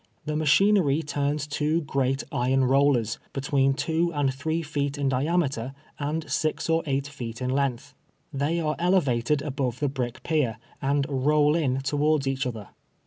The machinery turns two great iron rollers, between two and three feet in diameter and six or eight feet in length. Tliey are elevated above the brick pier, and roll in towards each other.